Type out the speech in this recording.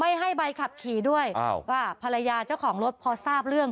ให้ใบขับขี่ด้วยอ้าวก็ภรรยาเจ้าของรถพอทราบเรื่อง